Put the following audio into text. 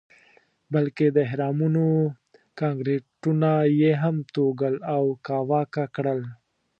بلکې د اهرامونو کانکریټونه یې هم توږل او کاواکه کړل.